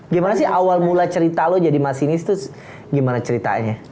gimana sih awal mula cerita lo jadi masinis terus gimana ceritanya